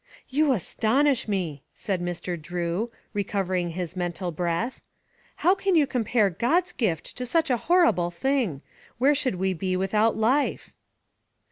"You astonish me!" said Mr. Drew, recovering his mental breath. "How can you compare God's gift to such a horrible thing! Where should we be without life?"